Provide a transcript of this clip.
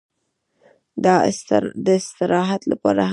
د استراحت لپاره هم باید وخت ولرو.